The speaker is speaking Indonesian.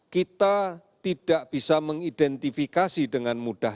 kita tidak bisa mengidentifikasi dengan mudah